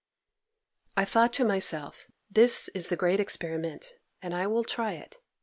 'I thought to myself, "This is the great experiment, and I will try it."